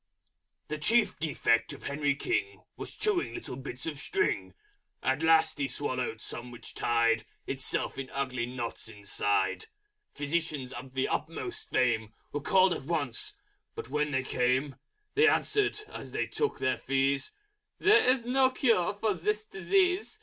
_ The Chief Defect of Henry King Was chewing little bits of String. At last he swallowed some which tied Itself in ugly Knots inside. Physicians of the Utmost Fame Were called at once; but when they came They answered, as they took their Fees, "There is no Cure for this Disease.